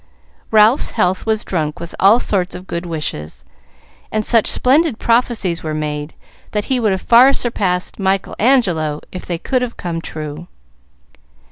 Ralph's health was drunk with all sorts of good wishes; and such splendid prophecies were made, that he would have far surpassed Michael Angelo, if they could have come true.